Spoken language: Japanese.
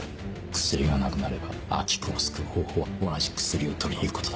薬がなくなれば安芸君を救う方法は同じ薬を取りに行くことだ。